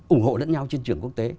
ủng hộ lẫn nhau trên trường quốc tế